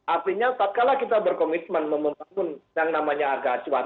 artinya setelah kita berkomitmen memenangkan yang namanya harga acuan